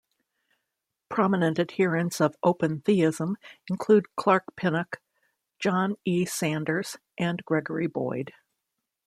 Prominent adherents of open theism include Clark Pinnock, John E. Sanders and Gregory Boyd.